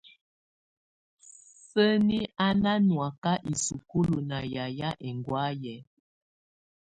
Sǝ́ni á ná nɔ́áka isukulu ná yayɛ̀á ɛŋgɔ̀áyɛ.